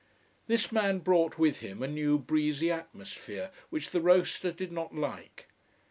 This man brought with him a new breezy atmosphere, which the roaster did not like.